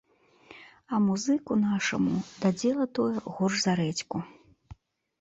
А музыку нашаму дадзела тое горш за рэдзьку.